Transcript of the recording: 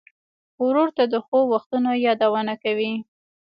ورور ته د ښو وختونو یادونه کوې.